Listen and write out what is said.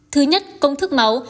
thứ nhất công thức máu